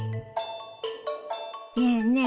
ねえねえ